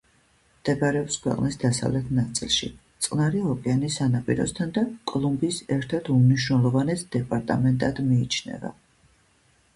მდებარეობს ქვეყნის დასავლეთ ნაწილში, წყნარი ოკეანის სანაპიროსთან და კოლუმბიის ერთ-ერთ უმნიშვნელოვანეს დეპარტამენტად მიიჩნევა.